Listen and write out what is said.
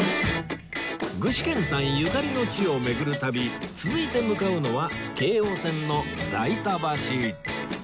具志堅さんゆかりの地を巡る旅続いて向かうのは京王線の代田橋